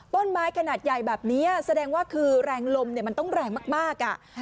ขนาดใหญ่แบบนี้แสดงว่าคือแรงลมมันต้องแรงมาก